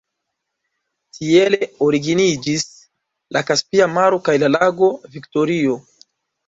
Tiele originiĝis la Kaspia Maro kaj la lago Viktorio.